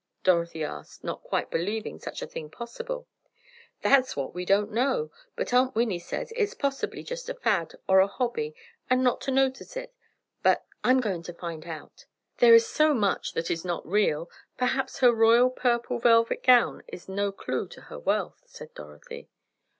Dorothy asked, not quite believing such a thing possible. "That's what we don't know, but Aunt Winnie says it's possibly just a fad, or a hobby, and not to notice it—but, I'm going to find out." "There is so much that is not real, perhaps her royal purple velvet gown is no clue to her wealth," said Dorothy.